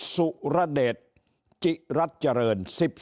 ๑๑สุรเดชจิรัจเจริญ